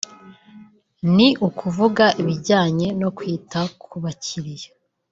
ni ukuvuga ibijyanye no kwita ku bakiriya